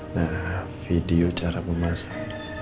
nah video cara memasak